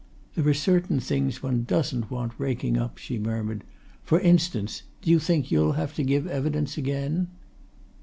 "There are certain things one doesn't want raking up," she murmured. "For instance do you think you'll have to give evidence again?"